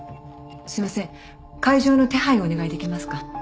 すみません会場の手配をお願いできますか？